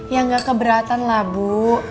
ya nggak keberatan lah bu